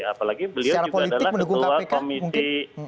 apalagi beliau juga adalah ketua komisi